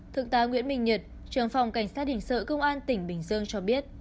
thượng tá nguyễn minh nhật trường phòng cảnh sát hình sự công an tỉnh bình dương cho biết